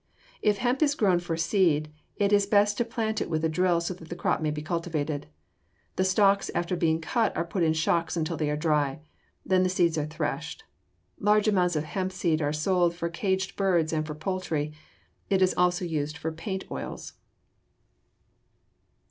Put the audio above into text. If hemp is grown for seed, it is best to plant with a drill so that the crop may be cultivated. The stalks after being cut are put in shocks until they are dry. Then the seeds are threshed. Large amounts of hemp seed are sold for caged birds and for poultry; it is also used for paint oils.